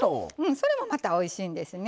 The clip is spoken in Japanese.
それもまたおいしいんですね。